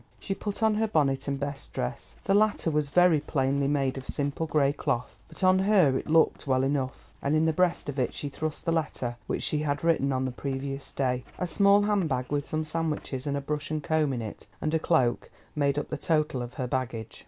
She put on her bonnet and best dress; the latter was very plainly made of simple grey cloth, but on her it looked well enough, and in the breast of it she thrust the letter which she had written on the previous day. A small hand bag, with some sandwiches and a brush and comb in it, and a cloak, made up the total of her baggage.